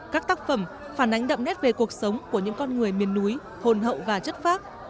các tác phẩm phản ánh đậm nét về cuộc sống của những con người miền núi hồn hậu và chất phác